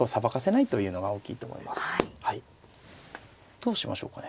どうしましょうかね。